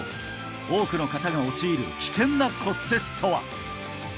多くの方が陥る危険な骨折とは？